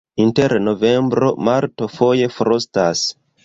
Inter novembro-marto foje frostas.